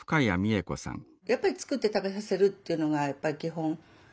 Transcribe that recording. やっぱり作って食べさせるっていうのが基本。